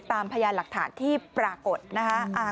ตามพยายามหลักฐานที่ปรากฏนะครับ